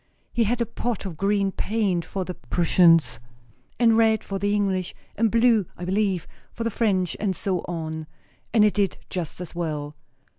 He had a pot of green paint for the Prussians, and red for the English, and blue, I believe, for the French, and so on; and it did just as well."